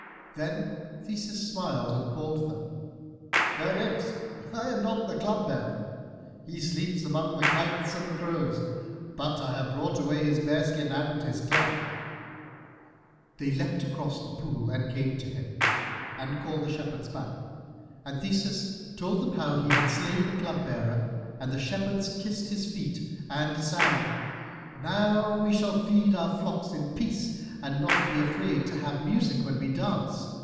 Then Theseus smiled and called them. "Fair nymphs, I am not the Club bearer. He sleeps among the kites and crows, but I have brought away his bear skin and his club." They leapt across the pool, and came to him, and called the shepherds back. And Theseus told them how he had slain the Club bearer, and the shepherds kissed his feet and sang, "Now we shall feed our flocks in peace, and not be afraid to have music when we dance.